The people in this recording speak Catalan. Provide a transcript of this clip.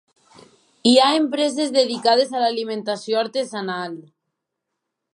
Hi ha empreses dedicades a l'alimentació artesanal.